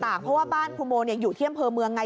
เพราะว่าบ้านครูโมอยู่ที่อำเภอเมืองไง